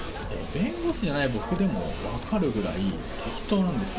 弁護士じゃない僕でも分かるぐらい、適当なんですよ。